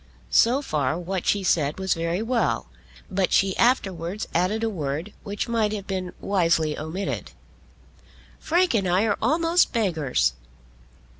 So far what she said was very well, but she afterwards added a word which might have been wisely omitted. "Frank and I are almost beggars."